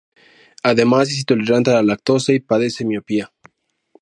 Además es intolerante a la lactosa y padece miopía.